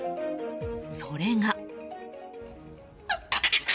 それが。